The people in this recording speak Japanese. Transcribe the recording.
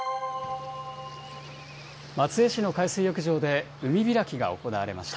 松江市の海水浴場で、海開きが行われました。